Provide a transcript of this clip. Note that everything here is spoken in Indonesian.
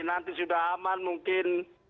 nanti sudah aman mungkin